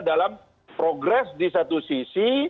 dalam progres di satu sisi